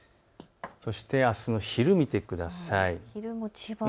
そしてあすの昼を見てください。